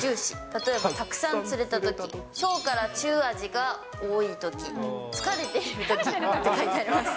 例えばたくさん釣れたとき、小から中アジが多いとき、疲れているときって書いてあります。